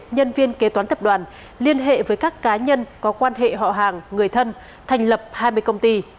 nhân viên kế toán tập đoàn liên hệ với các cá nhân có quan hệ họ hàng người thân thành lập hai mươi công ty